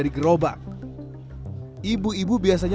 tidak ada apa apa